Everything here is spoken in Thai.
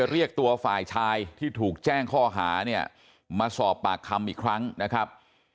เรียกตัวฝ่ายชายที่ถูกแจ้งข้อหาเนี่ยมาสอบปากคำอีกครั้งนะครับ